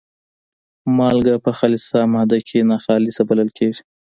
مالګه په خالصه ماده کې ناخالصه بلل کیږي.